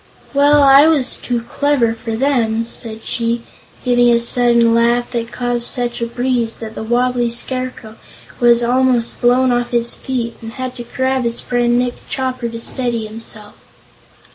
"Well, I was too clever for them," said she, giving a sudden laugh that caused such a breeze that the wobbly Scarecrow was almost blown off his feet and had to grab his friend Nick Chopper to steady himself.